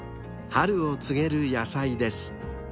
［春を告げる野菜です］